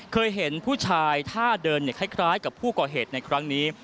เคยเห็นผู้ชายท่าเดินคล้ายกับผู้ก่อเหตุในครั้งนี้